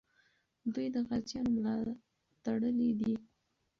دوی د غازیانو ملا تړلې ده.